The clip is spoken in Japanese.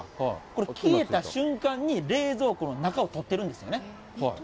これ、消えた瞬間に、冷蔵庫の中を撮ってるんですよね。